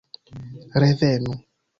Revenu!!